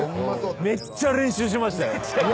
めっちゃ練習しました。